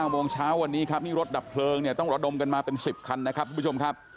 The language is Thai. โมงเช้าวันนี้ครับนี่รถดับเพลิงเนี่ยต้องระดมกันมาเป็น๑๐คันนะครับทุกผู้ชมครับ